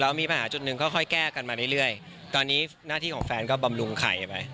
มีปัญหาจุดหนึ่งค่อยแก้กันมาเรื่อยตอนนี้หน้าที่ของแฟนก็บำรุงไข่ไป